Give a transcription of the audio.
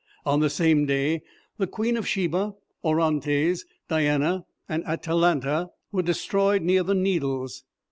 On the same day The Queen of Sheba, Orontes, Diana, and Atalanta were destroyed near the Needles.